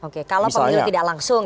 kalau pemilu tidak langsung ya